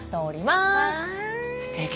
すてき。